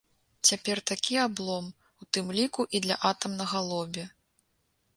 Цяпер такі аблом, у тым ліку і для атамнага лобі!